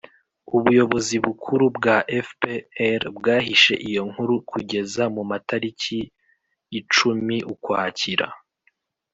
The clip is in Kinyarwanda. ubuyobozi bukuru bwa fpr bwahishe iyo nkuru kugeza mu matariki y' cumi ukwakira